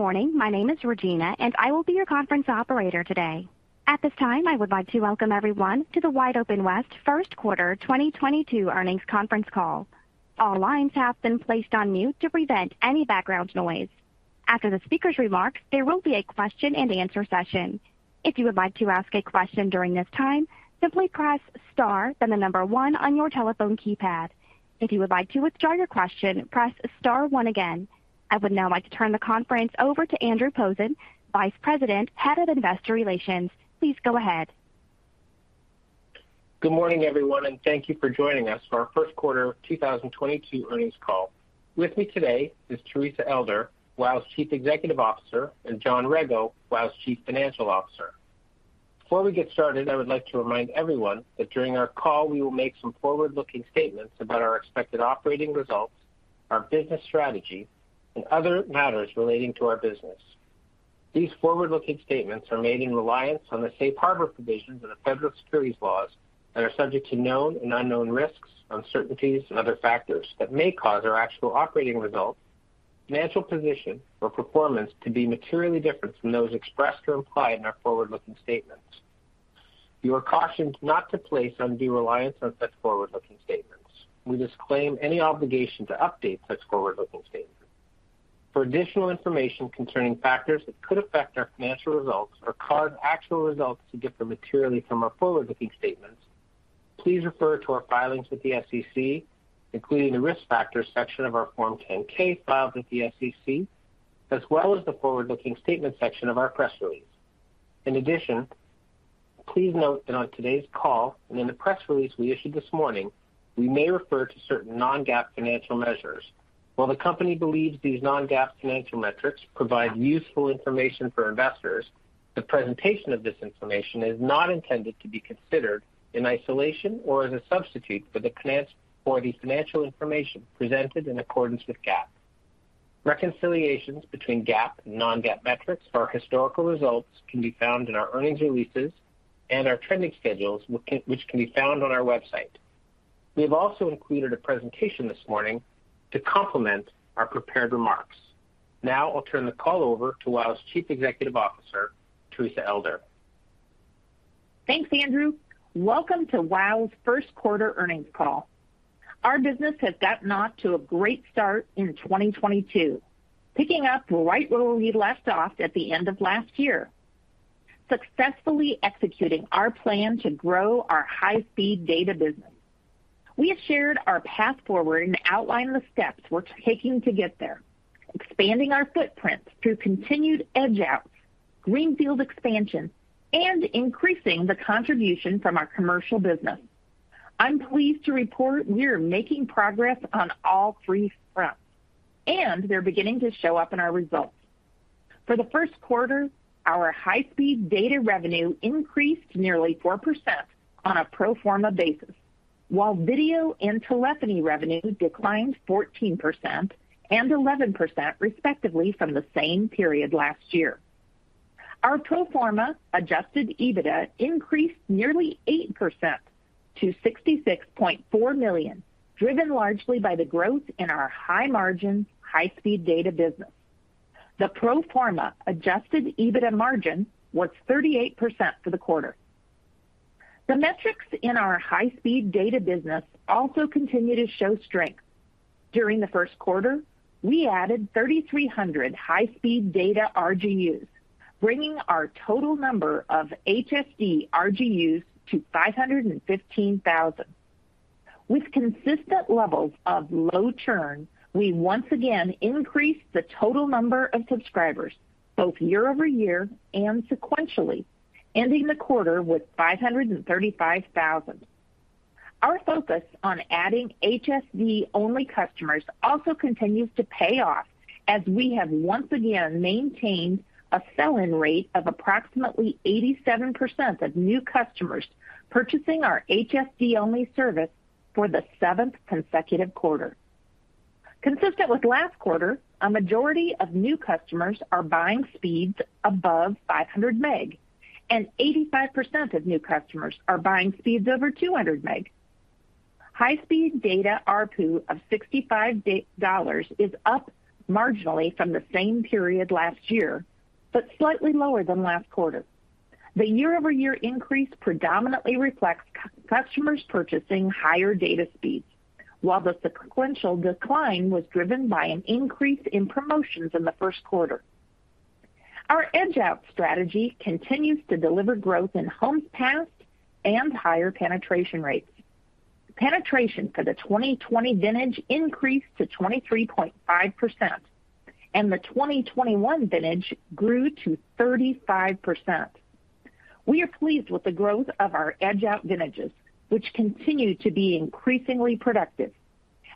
Good morning. My name is Regina, and I will be your conference operator today. At this time, I would like to welcome everyone to the WideOpenWest Q1 2022 earnings conference call. All lines have been placed on mute to prevent any background noise. After the speaker's remarks, there will be a question-and-answer session. If you would like to ask a question during this time, simply press star, then the number one on your telephone keypad. If you would like to withdraw your question, press star one again. I would now like to turn the conference over to Andrew Posen, Vice President, Head of Investor Relations. Please go ahead. Good morning, everyone, and thank you for joining us for our Q1 2022 earnings call. With me today is Teresa Elder, WOW's Chief Executive Officer, and John Rego, WOW's Chief Financial Officer. Before we get started, I would like to remind everyone that during our call, we will make some forward-looking statements about our expected operating results, our business strategy, and other matters relating to our business. These forward-looking statements are made in reliance on the safe harbor provisions and the federal securities laws that are subject to known and unknown risks, uncertainties, and other factors that may cause our actual operating results, financial position, or performance to be materially different from those expressed or implied in our forward-looking statements. You are cautioned not to place undue reliance on such forward-looking statements. We disclaim any obligation to update such forward-looking statements. For additional information concerning factors that could affect our financial results or cause actual results to differ materially from our forward-looking statements, please refer to our filings with the SEC, including the Risk Factors section of our Form 10-K filed with the SEC, as well as the Forward-Looking Statements section of our press release. In addition, please note that on today's call and in the press release we issued this morning, we may refer to certain non-GAAP financial measures. While the company believes these non-GAAP financial metrics provide useful information for investors, the presentation of this information is not intended to be considered in isolation or as a substitute for the financial information presented in accordance with GAAP. Reconciliations between GAAP and non-GAAP metrics for our historical results can be found in our earnings releases and our trending schedules which can be found on our website. We have also included a presentation this morning to complement our prepared remarks. Now I'll turn the call over to WOW's Chief Executive Officer, Teresa Elder. Thanks, Andrew. Welcome to WOW's Q1 earnings call. Our business has gotten off to a great start in 2022, picking up right where we left off at the end of last year, successfully executing our plan to grow our high-speed data business. We have shared our path forward and outlined the steps we're taking to get there, expanding our footprints through continued edge-outs, Greenfield expansion, and increasing the contribution from our commercial business. I'm pleased to report we are making progress on all three fronts, and they're beginning to show up in our results. For the Q1, our high-speed data revenue increased nearly 4% on a pro forma basis, while video and telephony revenue declined 14% and 11%, respectively, from the same period last year. Our pro forma Adjusted EBITDA increased nearly 8% to $66.4 million, driven largely by the growth in our high-margin, high-speed data business. The pro forma Adjusted EBITDA margin was 38% for the quarter. The metrics in our high-speed data business also continue to show strength. During the Q1, we added 3,300 high-speed data RGUs, bringing our total number of HSD RGUs to 515,000. With consistent levels of low churn, we once again increased the total number of subscribers both year over year and sequentially, ending the quarter with 535,000. Our focus on adding HSD-only customers also continues to pay off as we have once again maintained a sell-in rate of approximately 87% of new customers purchasing our HSD-only service for the seventh consecutive quarter. Consistent with last quarter, a majority of new customers are buying speeds above 500 meg, and 85% of new customers are buying speeds over 200 meg. High-speed data ARPU of $65 is up marginally from the same period last year, but slightly lower than last quarter. The year-over-year increase predominantly reflects customers purchasing higher data speeds, while the sequential decline was driven by an increase in promotions in the Q1. Our edge-out strategy continues to deliver growth in homes passed and higher penetration rates. Penetration for the 2020 vintage increased to 23.5%, and the 2021 vintage grew to 35%. We are pleased with the growth of our edge-out vintages, which continue to be increasingly productive.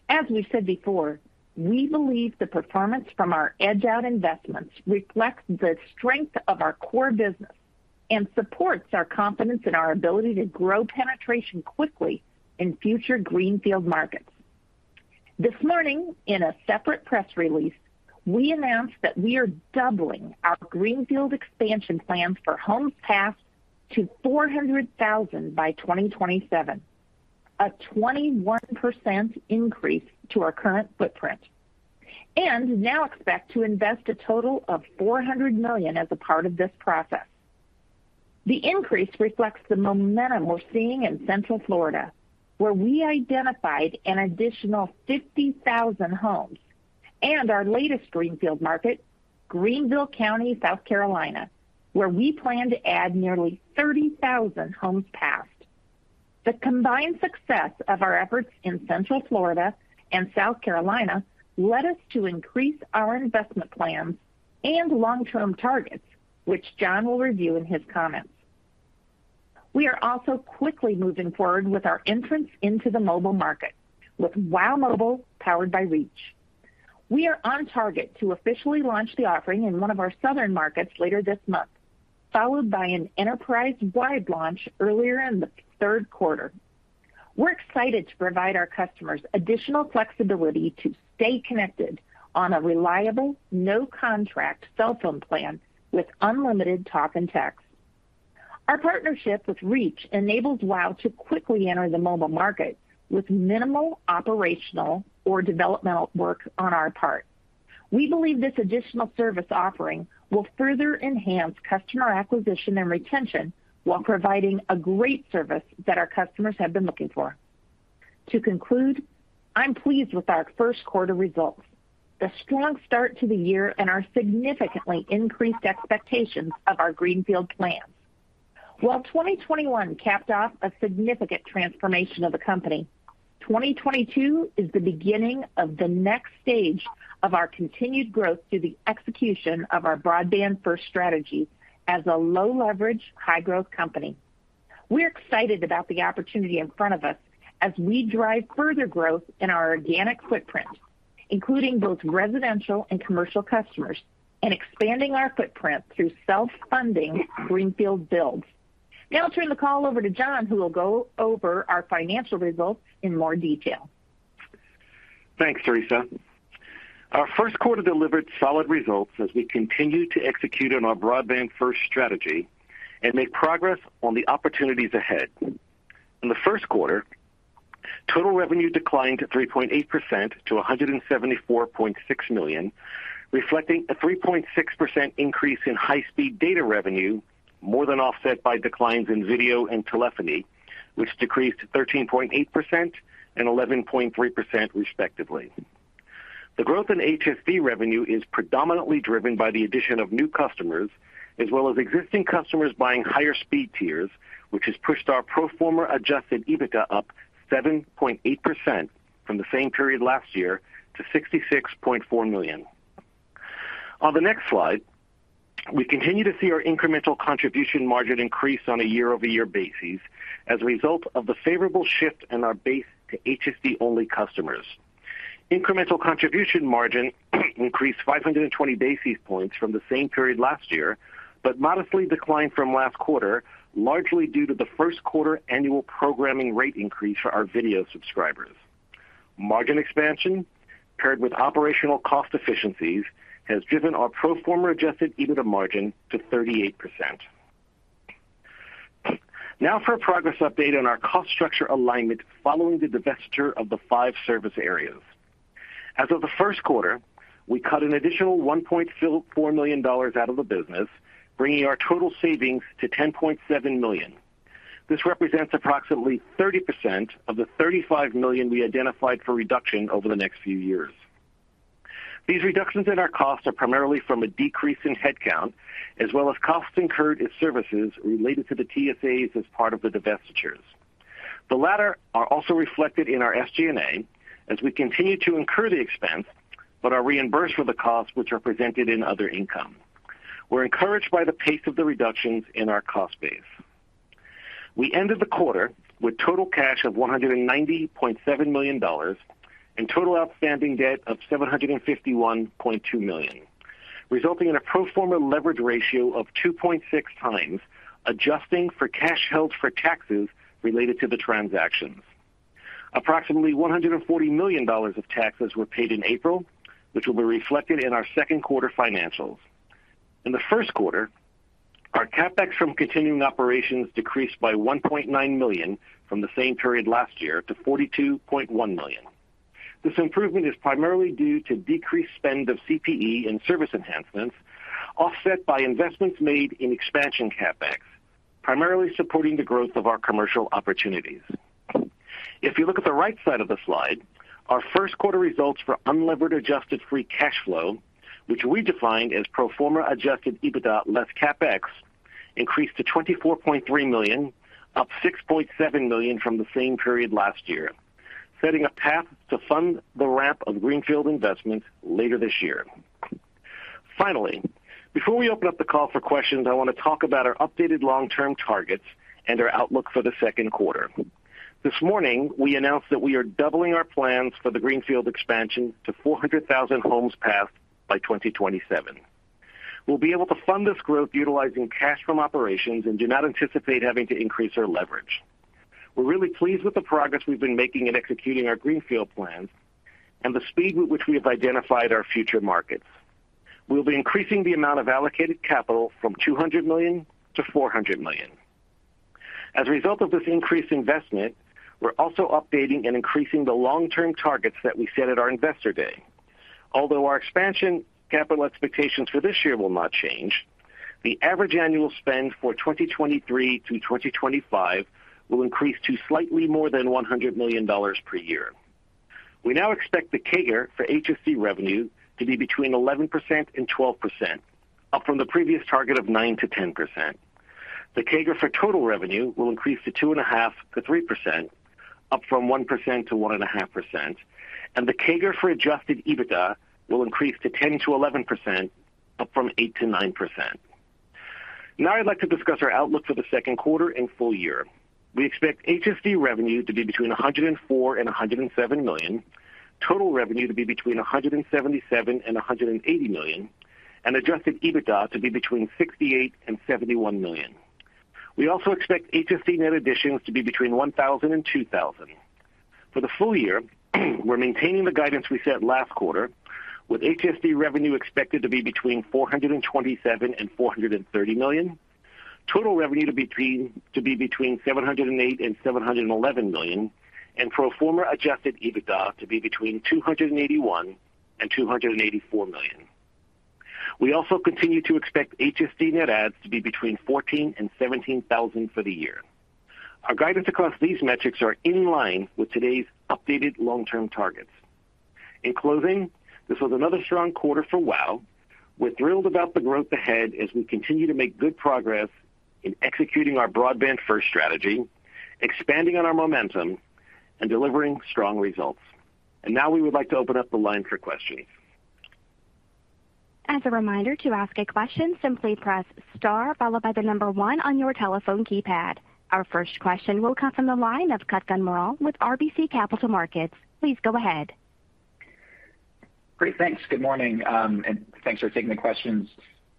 As we said before, we believe the performance from our edge-out investments reflects the strength of our core business and supports our confidence in our ability to grow penetration quickly in future Greenfield markets. This morning, in a separate press release, we announced that we are doubling our Greenfield expansion plans for homes passed to 400,000 by 2027. A 21% increase to our current footprint, and now expect to invest a total of $400 million as a part of this process. The increase reflects the momentum we're seeing in central Florida, where we identified an additional 50,000 homes and our latest Greenfield market, Greenville County, South Carolina, where we plan to add nearly 30,000 homes passed. The combined success of our efforts in central Florida and South Carolina led us to increase our investment plans and long-term targets, which John will review in his comments. We are also quickly moving forward with our entry into the mobile market with WOW! mobile powered by Reach. We are on target to officially launch the offering in one of our southern markets later this month, followed by an enterprise-wide launch earlier in the Q3. We're excited to provide our customers additional flexibility to stay connected on a reliable, no contract cell phone plan with unlimited talk and text. Our partnership with Reach enables WOW to quickly enter the mobile market with minimal operational or developmental work on our part. We believe this additional service offering will further enhance customer acquisition and retention while providing a great service that our customers have been looking for. To conclude, I'm pleased with our Q1 results, the strong start to the year, and our significantly increased expectations of our Greenfield plans. While 2021 capped off a significant transformation of the company, 2022 is the beginning of the next stage of our continued growth through the execution of our broadband first strategy as a low leverage, high growth company. We're excited about the opportunity in front of us as we drive further growth in our organic footprint, including both residential and commercial customers, and expanding our footprint through self-funding Greenfield builds. Now I'll turn the call over to John, who will go over our financial results in more detail. Thanks, Teresa. Our Q1 delivered solid results as we continue to execute on our broadband first strategy and make progress on the opportunities ahead. In the Q1, total revenue declined 3.8% to $174.6 million, reflecting a 3.6% increase in high-speed data revenue, more than offset by declines in video and telephony, which decreased 13.8% and 11.3%, respectively. The growth in HSD revenue is predominantly driven by the addition of new customers as well as existing customers buying higher speed tiers, which has pushed our pro forma Adjusted EBITDA up 7.8% from the same period last year to $66.4 million. On the next slide, we continue to see our incremental contribution margin increase on a year-over-year basis as a result of the favorable shift in our base to HSD-only customers. Incremental contribution margin increased 520 basis points from the same period last year, but modestly declined from last quarter, largely due to the Q1 annual programming rate increase for our video subscribers. Margin expansion paired with operational cost efficiencies has driven our pro forma Adjusted EBITDA margin to 38%. Now for a progress update on our cost structure alignment following the divestiture of the five service areas. As of the Q1, we cut an additional $1.4 million out of the business, bringing our total savings to $10.7 million. This represents approximately 30% of the $35 million we identified for reduction over the next few years. These reductions in our costs are primarily from a decrease in headcount, as well as costs incurred as services related to the TSAs as part of the divestitures. The latter are also reflected in our SG&A as we continue to incur the expense, but are reimbursed for the costs which are presented in other income. We're encouraged by the pace of the reductions in our cost base. We ended the quarter with total cash of $190.7 million and total outstanding debt of $751.2 million, resulting in a pro forma leverage ratio of 2.6x, adjusting for cash held for taxes related to the transactions. Approximately $140 million of taxes were paid in April, which will be reflected in our Q2 financials. In the Q1, our CapEx from continuing operations decreased by $1.9 million from the same period last year to $42.1 million. This improvement is primarily due to decreased spend of CPE and service enhancements, offset by investments made in expansion CapEx, primarily supporting the growth of our commercial opportunities. If you look at the right side of the slide, our Q1 results for unlevered adjusted free cash flow, which we define as pro forma Adjusted EBITDA less CapEx, increased to $24.3 million, up $6.7 million from the same period last year, setting a path to fund the ramp of Greenfield investments later this year. Finally, before we open up the call for questions, I want to talk about our updated long-term targets and our outlook for the Q2. This morning, we announced that we are doubling our plans for the Greenfield expansion to 400,000 homes passed by 2027. We'll be able to fund this growth utilizing cash from operations and do not anticipate having to increase our leverage. We're really pleased with the progress we've been making in executing our Greenfield plans and the speed with which we have identified our future markets. We'll be increasing the amount of allocated capital from $200 million to $400 million. As a result of this increased investment, we're also updating and increasing the long-term targets that we set at our Investor Day. Although our expansion capital expectations for this year will not change, the average annual spend for 2023 through 2025 will increase to slightly more than $100 million per year. We now expect the CAGR for HSD revenue to be between 11% and 12%, up from the previous target of 9%-10%. The CAGR for total revenue will increase to 2.5%-3%, up from 1%-1.5%, and the CAGR for Adjusted EBITDA will increase to 10%-11%, up from 8%-9%. Now I'd like to discuss our outlook for the Q2 and full year. We expect HSD revenue to be between $104 million and $107 million, total revenue to be between $177 million and $180 million, and Adjusted EBITDA to be between $68 million and $71 million. We also expect HSD net additions to be between 1,000 and 2,000. For the full year, we're maintaining the guidance we set last quarter, with HSD revenue expected to be between $427 million and $430 million, total revenue to be between $708 million and $711 million, and pro forma Adjusted EBITDA to be between $281 million and $284 million. We also continue to expect HSD net adds to be between 14,000 and 17,000 for the year. Our guidance across these metrics are in line with today's updated long-term targets. In closing, this was another strong quarter for WOW. We're thrilled about the growth ahead as we continue to make good progress in executing our broadband first strategy, expanding on our momentum, and delivering strong results. Now we would like to open up the line for questions. As a reminder, to ask a question, simply press star followed by the number one on your telephone keypad. Our first question will come from the line of Kutgun Maral with RBC Capital Markets. Please go ahead. Great. Thanks. Good morning, and thanks for taking the questions.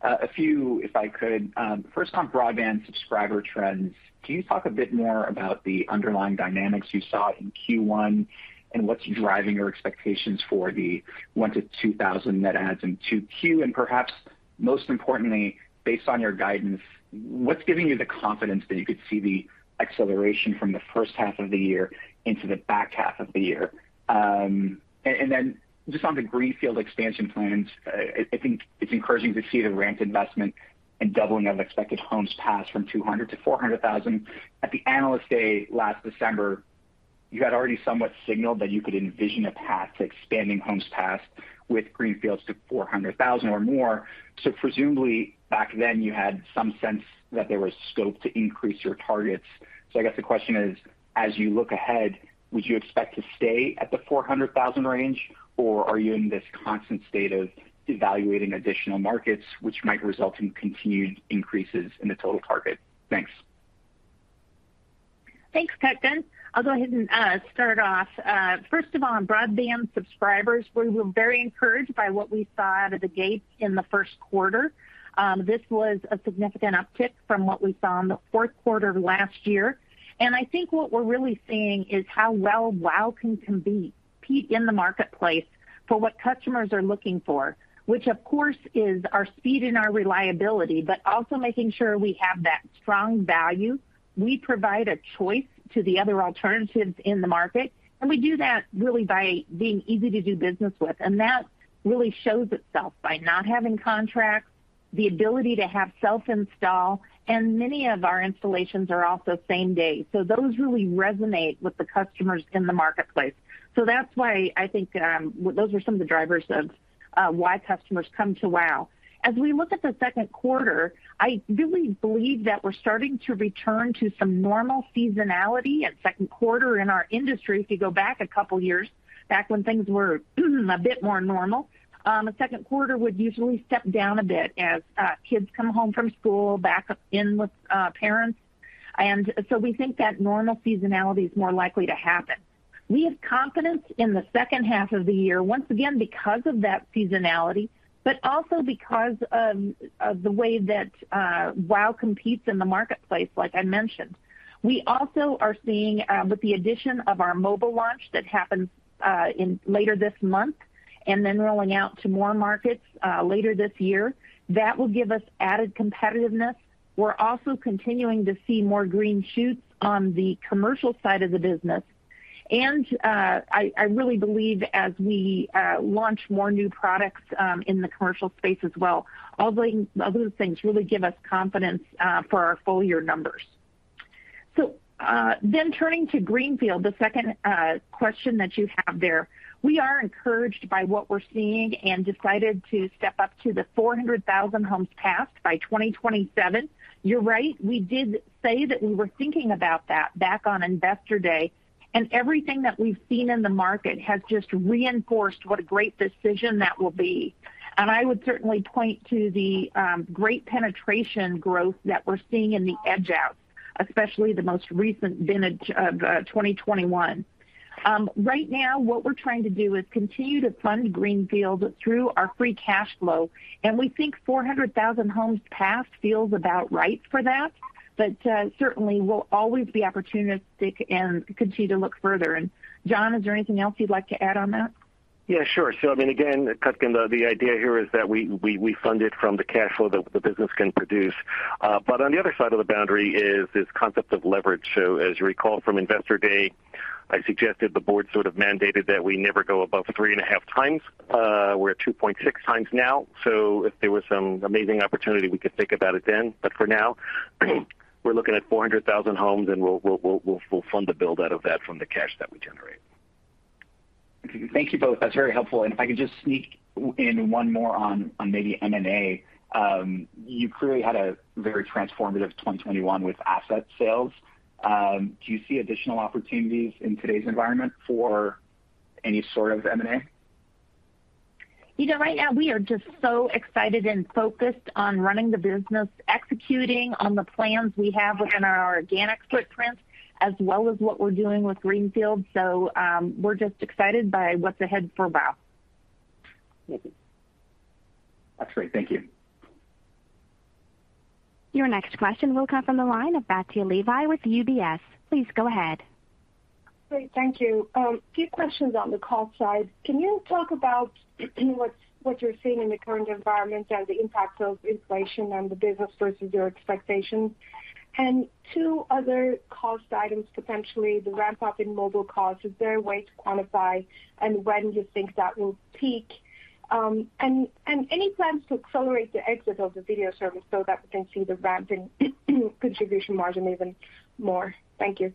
A few if I could. First on broadband subscriber trends, can you talk a bit more about the underlying dynamics you saw in Q1 and what's driving your expectations for the 1,000-2,000 net adds in Q2? And perhaps most importantly, based on your guidance, what's giving you the confidence that you could see the acceleration from the first half of the year into the back half of the year? And then just on the Greenfield expansion plans, I think it's encouraging to see the ramped investment and doubling of expected homes passed from 200,000 to 400,000. At the Investor Day last December, you had already somewhat signaled that you could envision a path to expanding homes passed with Greenfields to 400,000 or more. Presumably back then you had some sense that there was scope to increase your targets. I guess the question is, as you look ahead, would you expect to stay at the 400,000 range or are you in this constant state of evaluating additional markets which might result in continued increases in the total target? Thanks. Thanks, Kutgun. I'll go ahead and start off. First of all, on broadband subscribers, we were very encouraged by what we saw out of the gate in the Q1. This was a significant uptick from what we saw in the Q4 last year. I think what we're really seeing is how well WOW can compete in the marketplace for what customers are looking for, which of course is our speed and our reliability, but also making sure we have that strong value. We provide a choice to the other alternatives in the market, and we do that really by being easy to do business with. That really shows itself by not having contracts, the ability to have self-install, and many of our installations are also same day. Those really resonate with the customers in the marketplace. That's why I think those are some of the drivers of why customers come to WOW. As we look at the Q2, I really believe that we're starting to return to some normal seasonality at Q2 in our industry. If you go back a couple years back when things were a bit more normal, a Q2 would usually step down a bit as kids come home from school back in with parents. We think that normal seasonality is more likely to happen. We have confidence in the second half of the year, once again, because of that seasonality, but also because of the way that WOW competes in the marketplace, like I mentioned. We also are seeing with the addition of our mobile launch that happens in late this month and then rolling out to more markets later this year, that will give us added competitiveness. We're also continuing to see more green shoots on the commercial side of the business. I really believe as we launch more new products in the commercial space as well, all those things really give us confidence for our full year numbers. Turning to Greenfield, the second question that you have there, we are encouraged by what we're seeing and decided to step up to the 400,000 homes passed by 2027. You're right, we did say that we were thinking about that back on Investor Day, and everything that we've seen in the market has just reinforced what a great decision that will be. I would certainly point to the great penetration growth that we're seeing in the edge-outs, especially the most recent vintage of 2021. Right now what we're trying to do is continue to fund Greenfield through our free cash flow, and we think 400,000 homes passed feels about right for that. Certainly we'll always be opportunistic and continue to look further. John, is there anything else you'd like to add on that? Yeah, sure. I mean, again, Kutgun, the idea here is that we fund it from the cash flow that the business can produce. On the other side of the boundary is this concept of leverage. As you recall from Investor Day, I suggested the board sort of mandated that we never go above 3.5 times. We're at 2.6 times now. If there was some amazing opportunity, we could think about it then. For now, we're looking at 400,000 homes, and we'll fund the build out of that from the cash that we generate. Thank you both. That's very helpful. If I can just sneak in one more on maybe M&A. You clearly had a very transformative 2021 with asset sales. Do you see additional opportunities in today's environment for any sort of M&A? You know, right now we are just so excited and focused on running the business, executing on the plans we have within our organic footprint, as well as what we're doing with Greenfield. We're just excited by what's ahead for WOW. That's great. Thank you. Your next question will come from the line of Batya Levi with UBS. Please go ahead. Great. Thank you. A few questions on the cost side. Can you talk about what you're seeing in the current environment and the impact of inflation on the business versus your expectations? Two other cost items, potentially the ramp-up in mobile costs. Is there a way to quantify and when you think that will peak? Any plans to accelerate the exit of the video service so that we can see the ramping contribution margin even more? Thank you.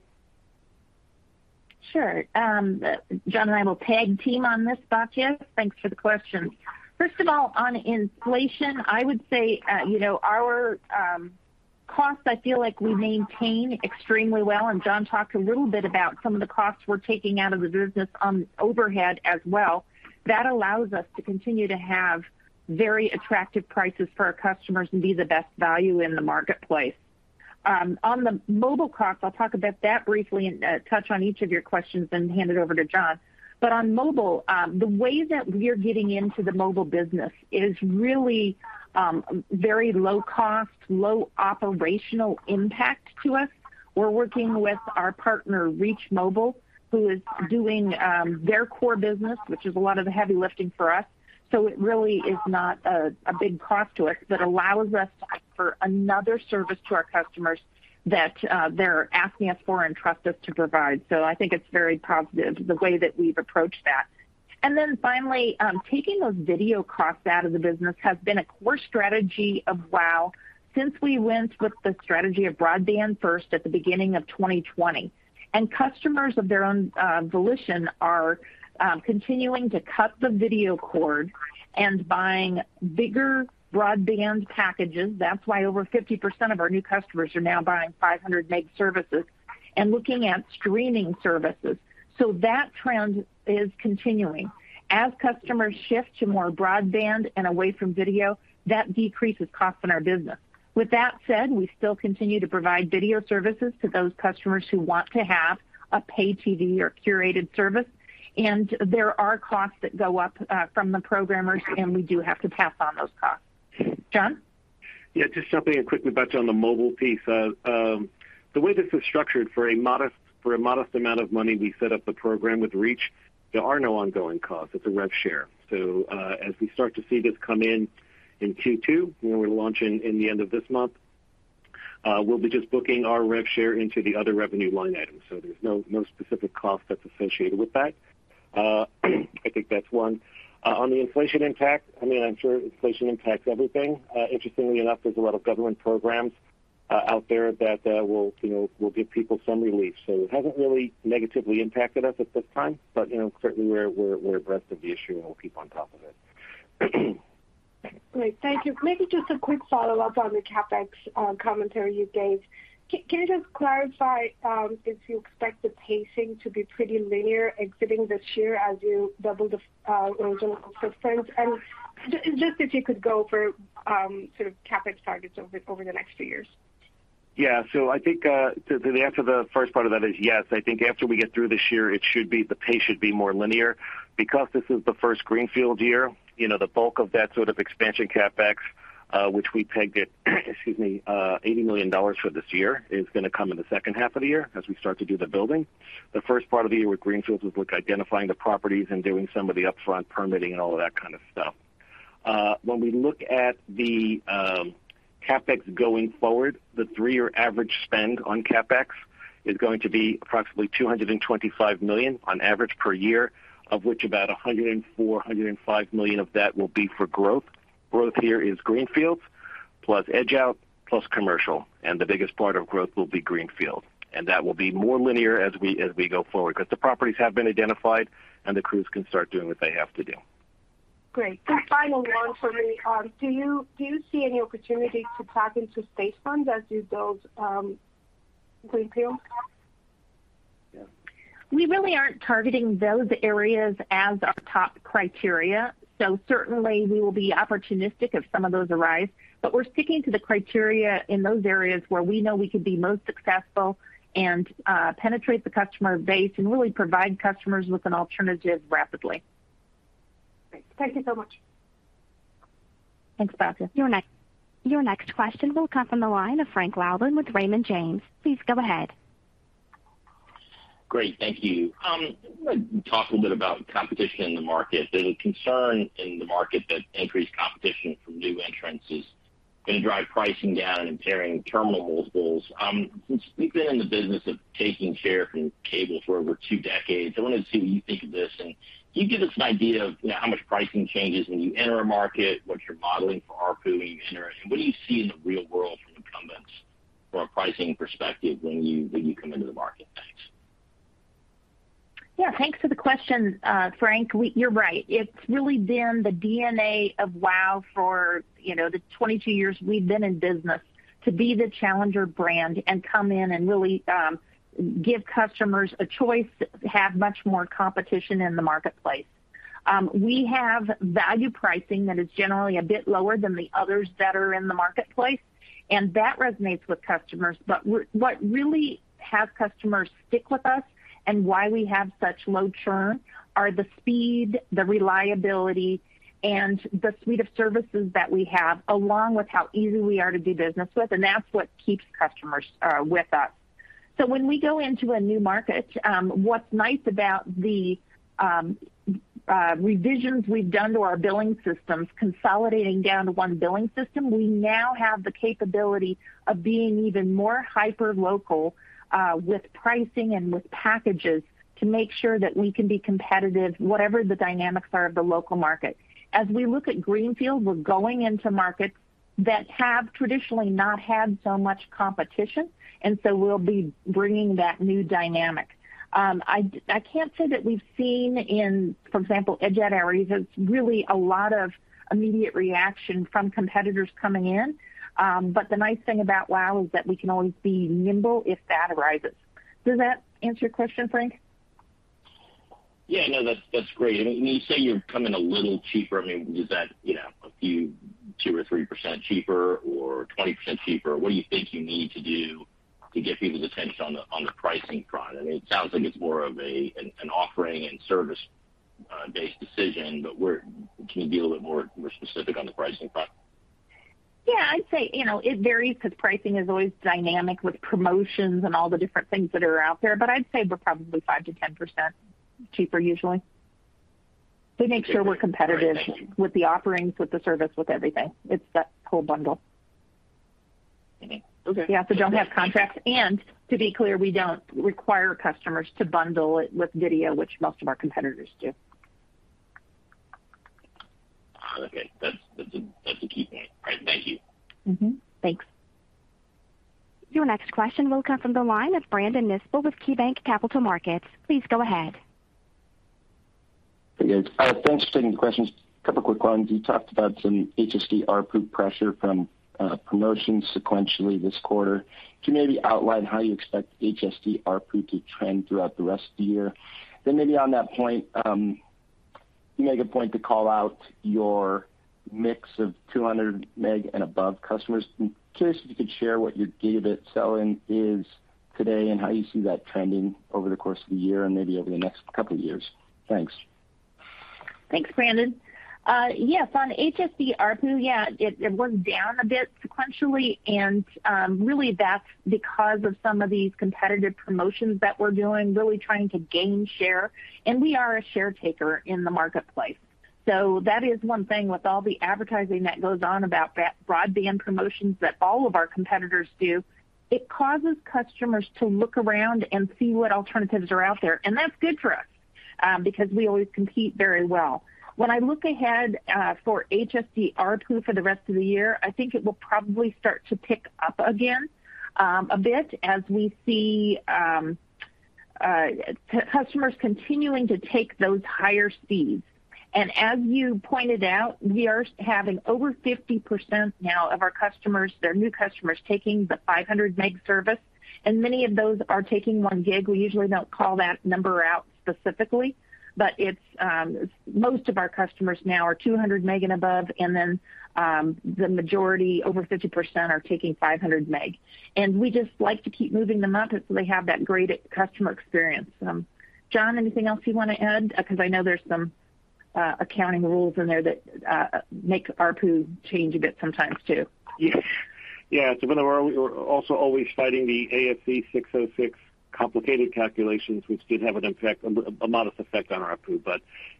Sure. John and I will tag team on this, Batya. Thanks for the question. First of all, on inflation, I would say, you know, our costs, I feel like we maintain extremely well, and John talked a little bit about some of the costs we're taking out of the business on overhead as well. That allows us to continue to have very attractive prices for our customers and be the best value in the marketplace. On the mobile costs, I'll talk about that briefly and touch on each of your questions, then hand it over to John. On mobile, the way that we're getting into the mobile business is really very low cost, low operational impact to us. We're working with our partner, Reach Mobile, who is doing their core business, which is a lot of the heavy lifting for us. It really is not a big cost to us, but allows us to offer another service to our customers that they're asking us for and trust us to provide. I think it's very positive, the way that we've approached that. Finally, taking those video costs out of the business has been a core strategy of WOW since we went with the strategy of broadband first at the beginning of 2020. Customers of their own volition are continuing to cut the video cord and buying bigger broadband packages. That's why over 50% of our new customers are now buying 500 meg services and looking at streaming services. That trend is continuing. As customers shift to more broadband and away from video, that decreases costs in our business. With that said, we still continue to provide video services to those customers who want to have a pay TV or curated service. There are costs that go up, from the programmers, and we do have to pass on those costs. John? Yeah, just jumping in quickly, Batya, on the mobile piece. The way this is structured for a modest amount of money, we set up the program with Reach. There are no ongoing costs. It's a rev share. As we start to see this come in in Q2, when we launch in the end of this month, we'll be just booking our rev share into the other revenue line items. There's no specific cost that's associated with that. I think that's one. On the inflation impact, I mean, I'm sure inflation impacts everything. Interestingly enough, there's a lot of government programs out there that will, you know, give people some relief. It hasn't really negatively impacted us at this time, but you know, certainly we're abreast of the issue and we'll keep on top of it. Great. Thank you. Maybe just a quick follow-up on the CapEx commentary you gave. Can you just clarify if you expect the pacing to be pretty linear exiting this year as you double the original footprint? Just if you could go over sort of CapEx targets over the next few years. Yeah. I think the answer to the first part of that is yes. I think after we get through this year, it should be. The pace should be more linear. Because this is the first Greenfield year, you know, the bulk of that sort of expansion CapEx, which we pegged at, excuse me, $80 million for this year, is gonna come in the second half of the year as we start to do the building. The first part of the year with Greenfields was like identifying the properties and doing some of the upfront permitting and all of that kind of stuff. When we look at the CapEx going forward, the three-year average spend on CapEx is going to be approximately $225 million on average per year, of which about $104 million-$105 million of that will be for growth. Growth here is Greenfield plus edge-out plus commercial, and the biggest part of growth will be Greenfield. That will be more linear as we go forward because the properties have been identified and the crews can start doing what they have to do. Great. Final one for me. Do you see any opportunity to tap into state funds as you build, Greenfield? We really aren't targeting those areas as our top criteria. Certainly we will be opportunistic if some of those arise, but we're sticking to the criteria in those areas where we know we could be most successful and penetrate the customer base and really provide customers with an alternative rapidly. Great. Thank you so much. Thanks, Batya. Your next question will come from the line of Frank Louthan with Raymond James. Please go ahead. Great. Thank you. Let me talk a little bit about competition in the market. There's a concern in the market that increased competition from new entrants is going to drive pricing down and impairing terminal multiples. Since we've been in the business of taking share from cable for over two decades, I wanted to see what you think of this. Can you give us an idea of how much pricing changes when you enter a market, what you're modeling for ARPU when you enter it, and what do you see in the real world from incumbents from a pricing perspective when you come into the market? Thanks. Yeah, thanks for the question, Frank. You're right. It's really been the DNA of WOW for, you know, the 22 years we've been in business to be the challenger brand and come in and really give customers a choice, have much more competition in the marketplace. We have value pricing that is generally a bit lower than the others that are in the marketplace, and that resonates with customers. What really have customers stick with us and why we have such low churn are the speed, the reliability, and the suite of services that we have, along with how easy we are to do business with. That's what keeps customers with us. When we go into a new market, what's nice about the revisions we've done to our billing systems, consolidating down to one billing system, we now have the capability of being even more hyperlocal with pricing and with packages to make sure that we can be competitive, whatever the dynamics are of the local market. As we look at Greenfield, we're going into markets that have traditionally not had so much competition, and so we'll be bringing that new dynamic. I can't say that we've seen in, for example, edge-out areas, has really a lot of immediate reaction from competitors coming in. The nice thing about WOW is that we can always be nimble if that arises. Does that answer your question, Frank? Yeah, no, that's great. I mean, when you say you come in a little cheaper, I mean, is that, you know, a few 2% or 3% cheaper or 20% cheaper? What do you think you need to do to get people's attention on the pricing front? I mean, it sounds like it's more of an offering and service based decision, but can you be a little bit more specific on the pricing front? Yeah, I'd say, you know, it varies because pricing is always dynamic with promotions and all the different things that are out there. I'd say we're probably 5%-10% cheaper usually. We make sure we're competitive with the offerings, with the service, with everything. It's that whole bundle. Okay. We also don't have contracts. To be clear, we don't require customers to bundle it with video, which most of our competitors do. Okay. That's a key point. All right. Thank you. Thanks. Your next question will come from the line of Brandon Nispel with KeyBanc Capital Markets. Please go ahead. Hey, guys. Thanks for taking the questions. A couple of quick ones. You talked about some HSD ARPU pressure from promotions sequentially this quarter. Can you maybe outline how you expect HSD ARPU to trend throughout the rest of the year? Then maybe on that point, you make a point to call out your mix of 200 meg and above customers. I'm curious if you could share what your gigabit selling is today and how you see that trending over the course of the year and maybe over the next couple of years. Thanks. Thanks, Brandon. Yes. On HSD ARPU, yeah, it was down a bit sequentially, and really that's because of some of these competitive promotions that we're doing, really trying to gain share. We are a share taker in the marketplace. That is one thing with all the advertising that goes on about that broadband promotions that all of our competitors do, it causes customers to look around and see what alternatives are out there. That's good for us, because we always compete very well. When I look ahead, for HSD ARPU for the rest of the year, I think it will probably start to pick up again, a bit as we see, customers continuing to take those higher speeds. As you pointed out, we are having over 50% now of our customers, they're new customers taking the 500 meg service, and many of those are taking one gig. We usually don't call that number out specifically, but it's most of our customers now are 200 meg and above, and then the majority over 50% are taking 500 meg. We just like to keep moving them up and so they have that great customer experience. John, anything else you want to add? Because I know there's some accounting rules in there that make ARPU change a bit sometimes too. Yeah. We're also always fighting the ASC 606 complicated calculations, which did have an impact, a modest effect on ARPU.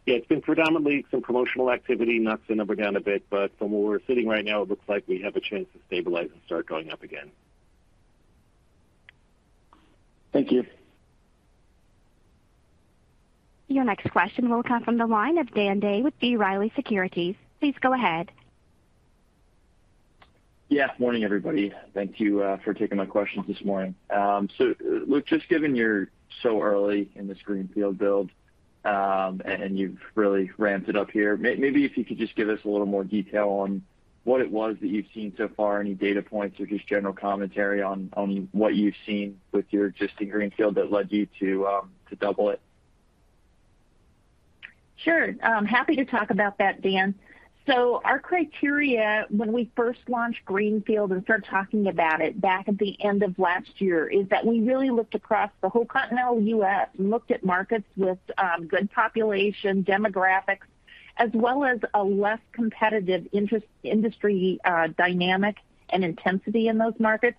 Yeah, it's been predominantly some promotional activity, knocks the number down a bit. From where we're sitting right now, it looks like we have a chance to stabilize and start going up again. Thank you. Your next question will come from the line of Dan Day with B. Riley Securities. Please go ahead. Yeah. Morning, everybody. Thank you for taking my questions this morning. Look, just given you're so early in this Greenfield build, and you've really ramped it up here, maybe if you could just give us a little more detail on what it was that you've seen so far, any data points or just general commentary on what you've seen with your existing Greenfield that led you to double it. Sure. I'm happy to talk about that, Dan. Our criteria when we first launched Greenfield and started talking about it back at the end of last year is that we really looked across the whole continental U.S., looked at markets with good population demographics as well as a less competitive industry dynamic and intensity in those markets.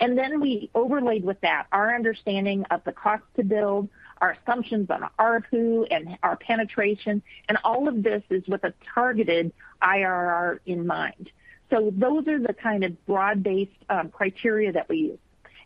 We overlaid with that our understanding of the cost to build, our assumptions on ARPU and our penetration. All of this is with a targeted IRR in mind. Those are the kind of broad-based criteria that we use.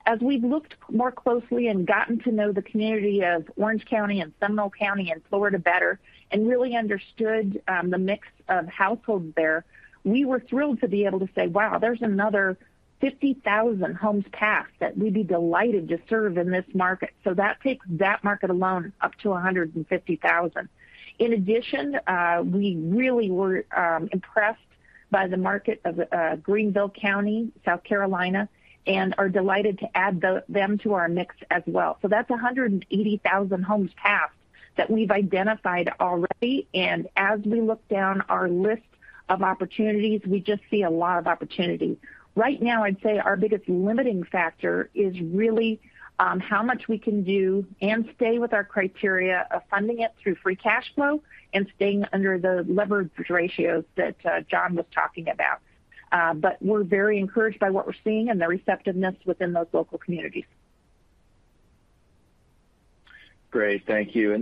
As we've looked more closely and gotten to know the community of Orange County and Seminole County and Florida better and really understood the mix of households there, we were thrilled to be able to say, "Wow, there's another 50,000 homes passed that we'd be delighted to serve in this market." That takes that market alone up to 150,000. In addition, we really were impressed by the market of Greenville County, South Carolina, and are delighted to add them to our mix as well. That's 180,000 homes passed that we've identified already, and as we look down our list of opportunities, we just see a lot of opportunity. Right now, I'd say our biggest limiting factor is really how much we can do and stay with our criteria of funding it through free cash flow and staying under the leverage ratios that John was talking about. We're very encouraged by what we're seeing and the receptiveness within those local communities. Great. Thank you.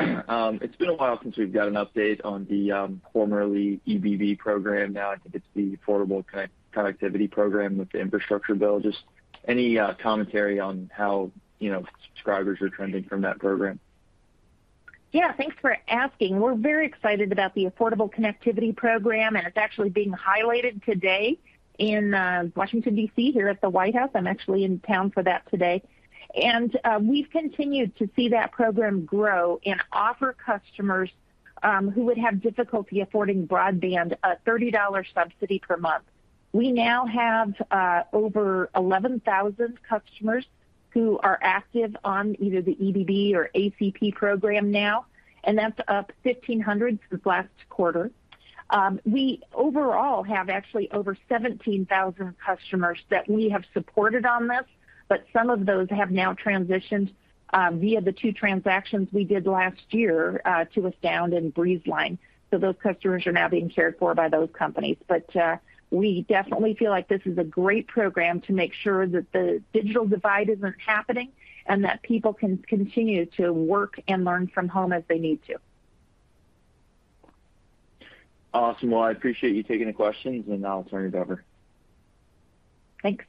It's been a while since we've got an update on the formerly EBB program. Now I think it's the Affordable Connectivity program with the infrastructure bill. Just any commentary on how, you know, subscribers are trending from that program? Yeah. Thanks for asking. We're very excited about the Affordable Connectivity Program, and it's actually being highlighted today in Washington, D.C. here at the White House. I'm actually in town for that today. We've continued to see that program grow and offer customers who would have difficulty affording broadband a $30 subsidy per month. We now have over 11,000 customers who are active on either the EBB or ACP program now, and that's up 1,500 since last quarter. We overall have actually over 17,000 customers that we have supported on this, but some of those have now transitioned via the two transactions we did last year to Astound and Breezeline. Those customers are now being cared for by those companies. We definitely feel like this is a great program to make sure that the digital divide isn't happening and that people can continue to work and learn from home as they need to. Awesome. Well, I appreciate you taking the questions, and I'll turn it over. Thanks.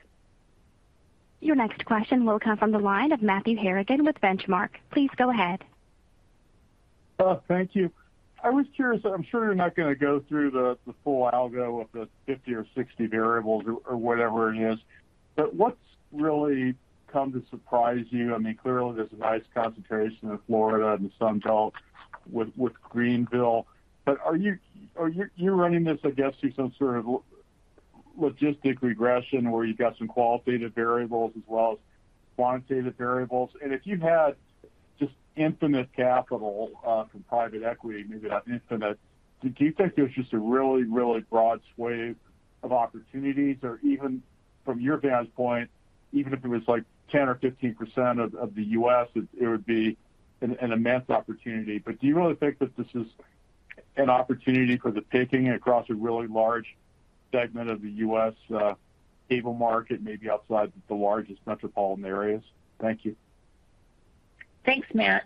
Your next question will come from the line of Matthew Harrigan with Benchmark. Please go ahead. Thank you. I was curious. I'm sure you're not gonna go through the full algo of the 50 or 60 variables or whatever it is. But what's really come to surprise you? I mean, clearly there's a nice concentration in Florida and the Sun Belt with Greenville. But are you running this, I guess, through some sort of logistic regression where you've got some qualitative variables as well as quantitative variables. If you had just infinite capital from private equity, maybe not infinite, do you think there's just a really, really broad swathe of opportunities? Or even from your guys' point, even if it was, like, 10 or 15% of the U.S., it would be an immense opportunity. Do you really think that this is an opportunity for the picking across a really large segment of the U.S. cable market, maybe outside the largest metropolitan areas? Thank you. Thanks, Matt.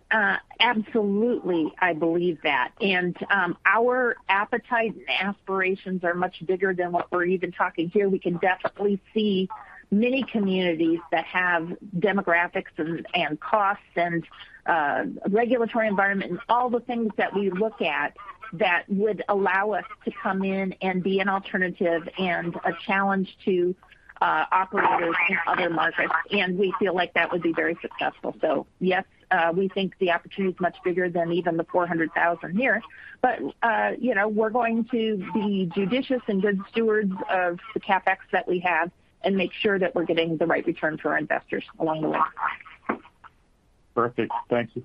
Absolutely, I believe that. Our appetite and aspirations are much bigger than what we're even talking here. We can definitely see many communities that have demographics and costs and regulatory environment and all the things that we look at that would allow us to come in and be an alternative and a challenge to operators in other markets, and we feel like that would be very successful. Yes, we think the opportunity is much bigger than even the 400,000 here. You know, we're going to be judicious and good stewards of the CapEx that we have and make sure that we're getting the right return for our investors along the way. Perfect. Thank you.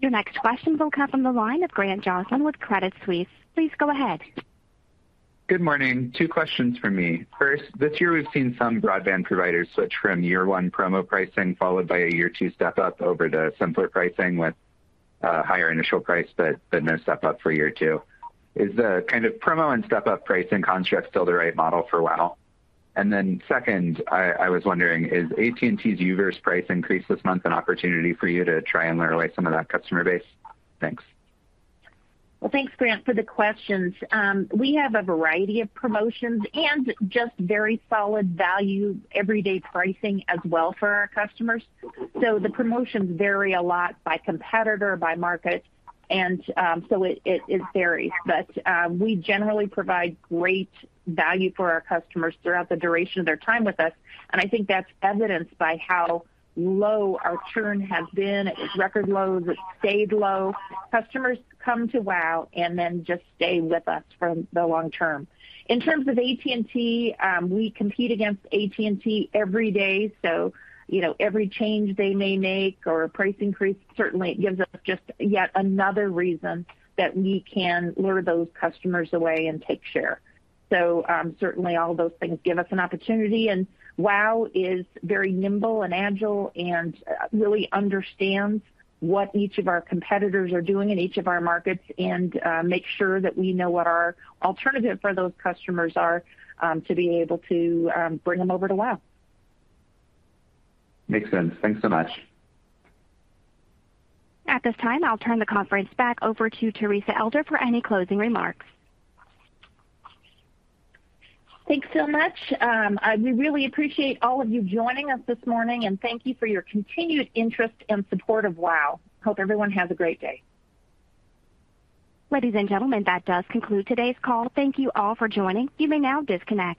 Your next question will come from the line of Grant Joslin with Credit Suisse. Please go ahead. Good morning. Two questions from me. First, this year we've seen some broadband providers switch from year one promo pricing followed by a year two step up over to simpler pricing with a higher initial price, but no step up for year two. Is the kind of promo and step up pricing construct still the right model for WOW? Second, I was wondering, is AT&T's U-verse price increase this month an opportunity for you to try and lure away some of that customer base? Thanks. Well, thanks, Grant, for the questions. We have a variety of promotions and just very solid value everyday pricing as well for our customers. The promotions vary a lot by competitor, by market, and it varies. We generally provide great value for our customers throughout the duration of their time with us, and I think that's evidenced by how low our churn has been. It's record lows. It's stayed low. Customers come to WOW and then just stay with us for the long term. In terms of AT&T, we compete against AT&T every day, so you know, every change they may make or a price increase certainly gives us just yet another reason that we can lure those customers away and take share. Certainly all those things give us an opportunity. WOW is very nimble and agile and really understands what each of our competitors are doing in each of our markets and make sure that we know what our alternative for those customers are to be able to bring them over to WOW. Makes sense. Thanks so much. At this time, I'll turn the conference back over to Teresa Elder for any closing remarks. Thanks so much. We really appreciate all of you joining us this morning, and thank you for your continued interest and support of WOW. Hope everyone has a great day. Ladies and gentlemen, that does conclude today's call. Thank you all for joining. You may now disconnect.